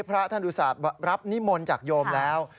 พระท่านอุตส่าห์รับนิมนต์จากโยมแล้ว